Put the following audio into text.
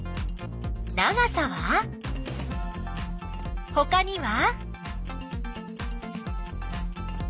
長さは？ほかには？